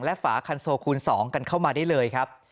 และฝาคันโซคูณ๒กันเข้ามาได้เลยครับ